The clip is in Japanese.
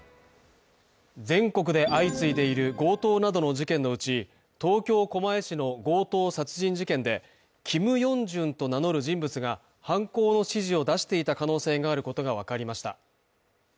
全国で相次いでいる強盗などの事件のうち東京・狛江市の強盗殺人事件で、キム・ヨンジュンと名乗る人物が犯行の指示を出していた可能性があることが分かりました。